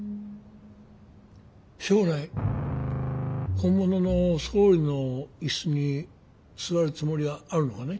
将来本物の総理のいすに座るつもりはあるのかね？